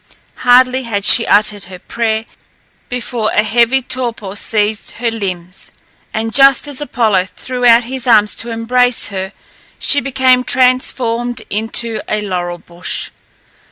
Hardly had she uttered her prayer before a heavy torpor seized her limbs, and just as Apollo threw out his arms to embrace her, she became transformed into a laurel bush.